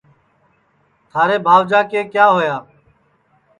تھارے بھاوجا کے کیا ہویا